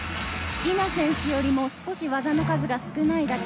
ディナ選手よりも少し技の数が少ないだけ。